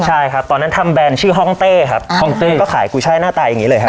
ใช่ครับตอนนั้นทำแบรนด์ชื่อห้องเต้ครับห้องเต้ก็ขายกุ้ยช่ายหน้าตาอย่างนี้เลยครับ